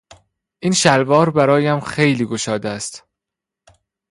این شلوار برایم خیلی گشاد است.